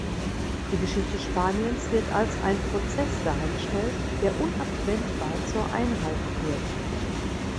Die Geschichte Spaniens wird als ein Prozess dargestellt der unabwendbar zur Einheit führte.